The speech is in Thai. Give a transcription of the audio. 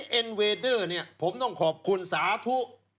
ทีนี้เอ็นเวดเดอร์ผมต้องขอบคุณสาธุ